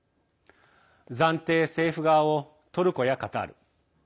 暫定政府側をトルコやカタール。